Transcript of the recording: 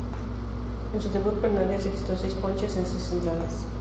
En su debut, Fernández registró seis ponches en seis entradas.